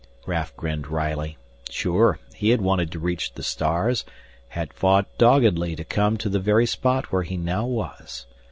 Raf grinned wryly. Sure, he had wanted to reach the stars, had fought doggedly to come to the very spot where he now was.